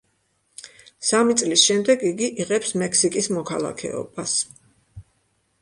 სამი წლის შემდეგ იგი იღებს მექსიკის მოქალაქეობას.